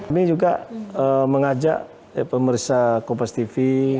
kami juga mengajak pemerintah kompastv